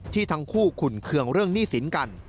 ทั้งคู่ขุนเคืองเรื่องหนี้สินกัน